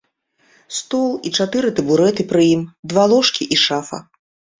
Стол і чатыры табурэты пры ім, два ложкі і шафа.